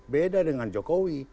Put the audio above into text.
beda dengan jokowi